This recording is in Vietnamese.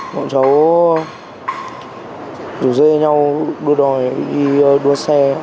bọn cháu rủ dê nhau đua đòi đi đua xe